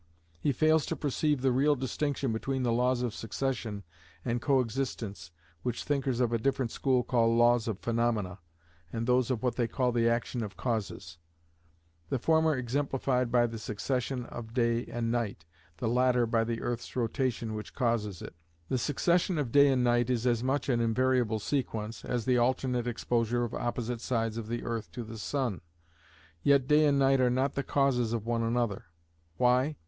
He fails to perceive the real distinction between the laws of succession and coexistence which thinkers of a different school call Laws of Phaenomena, and those of what they call the action of Causes: the former exemplified by the succession of day and night, the latter by the earth's rotation which causes it. The succession of day and night is as much an invariable sequence, as the alternate exposure of opposite sides of the earth to the sun. Yet day and night are not the causes of one another; why?